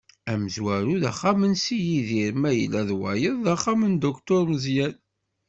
Amezwaru d axxam n si Yidir, ma yella d wayeḍ d axxam n Dduktur Meẓyan.